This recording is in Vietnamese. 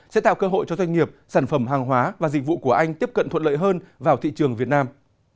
sẽ tạo cơ hội cho doanh nghiệp sản phẩm hàng hóa và dịch vụ của anh tiếp cận thuận lợi hơn vào thị trường việt nam